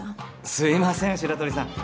すいません白鳥さん。